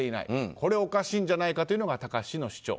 これはおかしいんじゃないかというのが貴志氏の主張。